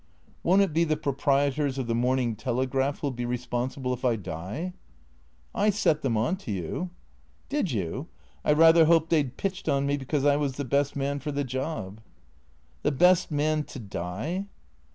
" Won't it be the proprietors of the ' Morning Telegraph ' who '11 be responsible — if I die ?"" I set them on to you." " Did you ? I rather hoped they 'd pitched on me because I was the best man for the job." "The best man — to die?"